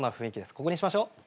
ここにしましょう。